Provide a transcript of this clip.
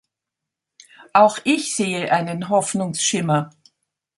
Auch ich sehe einen Hoffnungsschimmer.